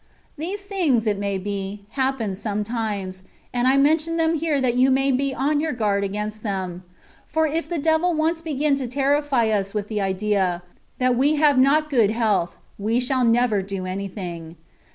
These things, it may be, happen sometimes ; and I mention them here that you may be on your guard against them ; for if the devU once begin to terrify us with the idea, that we have not good health, we shall never do anything.